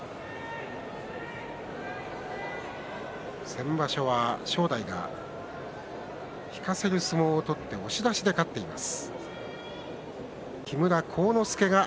先場所は正代が引かせる相撲を取って押し出しで勝っています。